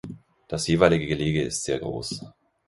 Das jeweilige Gelege ist sehr groß.